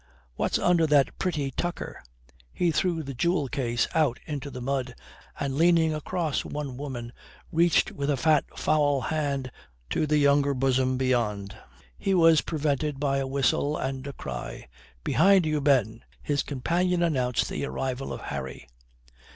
What's under that pretty tucker?" He threw the jewel case out into the mud and, leaning across one woman, reached with a fat, foul hand to the younger bosom beyond. He was prevented by a whistle and a cry, "Behind you, Ben." His companion announced the arrival of Harry.